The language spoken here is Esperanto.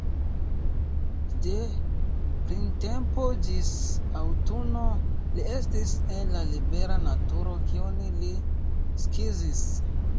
De printempo ĝis aŭtuno li estis en la libera naturo, kiun li skizis.